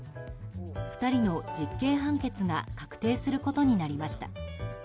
２人の実刑判決が確定することになりました。